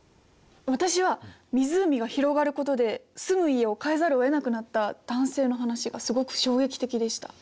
私は湖が広がることで住む家を替えざるをえなくなった男性の話がすごく衝撃的でした。